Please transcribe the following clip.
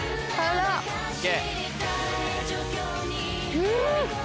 うん！